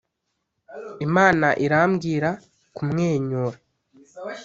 imana irambwira kumwenyura,